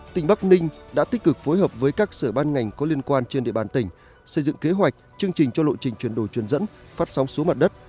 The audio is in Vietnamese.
tỉnh bắc ninh đã tích cực phối hợp với các sở ban ngành có liên quan trên địa bàn tỉnh xây dựng kế hoạch chương trình cho lộ trình chuyển đổi truyền dẫn phát sóng số mặt đất